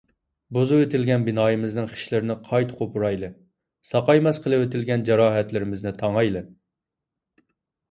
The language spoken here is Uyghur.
بۇزۇۋېتىلگەن بىنايىمىزنىڭ خىشلىرىنى قايتا قوپۇرايلى، ساقايماس قىلىۋېتىلگەن جاراھەتلىرىمىزنى تاڭايلى.